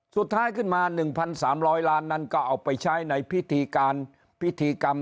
สุดท้ายขึ้นมา๑๓๐๐ล้านนั้นก็เอาไปใช้ในพิธีการพิธีกรรม